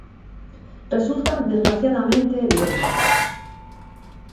Resulta desgraciadamente evidente.